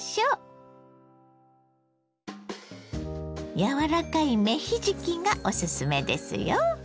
柔らかい芽ひじきがおすすめですよ。